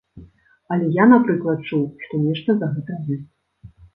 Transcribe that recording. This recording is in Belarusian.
Але я, напрыклад, чуў, што нешта за гэтым ёсць.